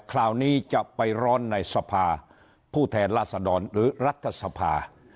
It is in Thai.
คราวนี้จะไปร้อนในสภาผู้แทนราษดรหรือรัฐสภา